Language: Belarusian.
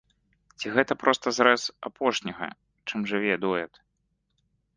Ці гэта проста зрэз апошняга, чым жыве дуэт?